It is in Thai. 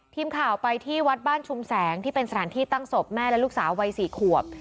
ทีมข่าวไปที่วัดบ้านชุมแสงที่เป็นสถานที่ตั้งศพแม่และลูกสาววัย๔ขวบ